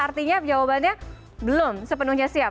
artinya jawabannya belum sepenuhnya siap